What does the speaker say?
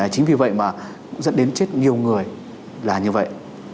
chính vì vậy mà dẫn đến chết nhiều người là như vậy